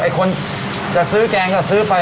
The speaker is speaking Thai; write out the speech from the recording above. คนจะซื้อแกงก็ซื้อไป